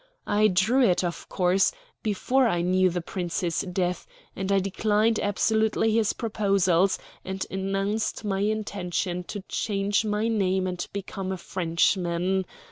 I drew it, of course, before I knew of the Prince's death, and I declined absolutely his proposals, and announced my intention to change my name and become a Frenchman.